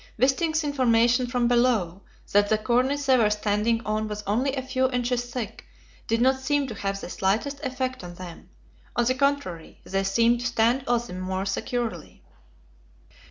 Wisting's information from below that the cornice they were standing on was only a few inches thick did not seem to have the slightest effect on them; on the contrary, they seemed to stand all the more securely.